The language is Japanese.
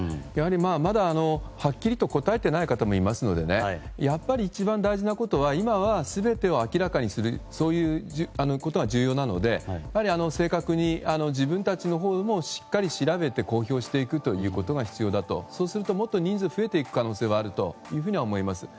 まだはっきりと答えていない方もいますので一番大事なことは今は全てを明らかにするということが重要なので正確に自分たちのほうもしっかり調べて公表していくことが必要であって、そうするともっと人数も増えてくると思います。